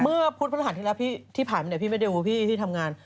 เมื่อพูดพฤหัสที่แหละที่ผ่านไหนพี่ไม่ได้รู้ว่าพี่ทำงาน